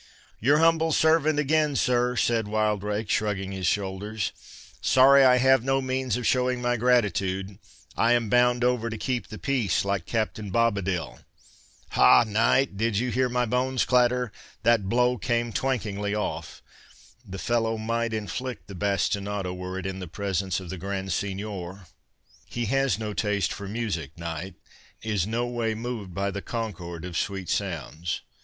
"Your humble servant again, sir," said Wildrake, shrugging his shoulders,—"sorry I have no means of showing my gratitude. I am bound over to keep the peace, like Captain Bobadil—Ha, knight, did you hear my bones clatter? that blow came twankingly off—the fellow might inflict the bastinado, were it in presence of the Grand Seignior—he has no taste for music, knight—is no way moved by the 'concord of sweet sounds.